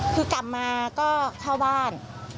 คือกลับมาก็เข้าบ้าน